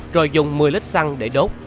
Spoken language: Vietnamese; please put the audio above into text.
rồi dùng một mươi lít xăng để đốt